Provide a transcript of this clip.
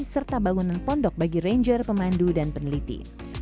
serta bangunan pondok bagi ranger pemandu dan peneliti